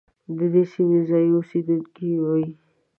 د دې سیمې ځايي اوسېدونکي وي.